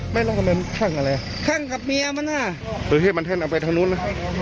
ไม่รู้ว่าทำไมทั่งอะไรทั่งกับเมียมันฮะหรือให้มันทั่งเอาไปทางนู้นนะอ๋อ